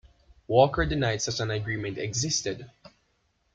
Walker denied such an agreement existed.